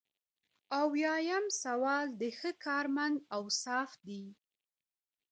اویایم سوال د ښه کارمند اوصاف دي.